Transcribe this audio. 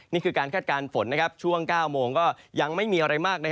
นี่คือการคาดการณ์ฝนช่วง๙โมงก็ยังไม่มีอะไรมาก